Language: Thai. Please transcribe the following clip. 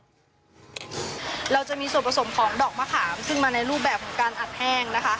เราจะมีส่วนผสมของดอกมะขามซึ่งมาในรูปแบบของการอัดแห้งนะคะ